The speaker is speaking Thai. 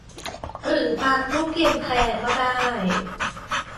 หรือพานธูปเทียนแพรก็ได้